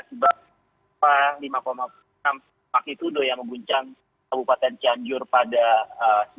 sebab lima enam magnitudo yang mengguncang kabupaten cianjur pada siang